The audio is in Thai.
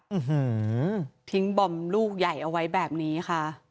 ทิ้งบอมลูกใหญ่เอาไว้แบบนี้ค่ะ